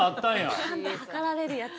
測られるやつ。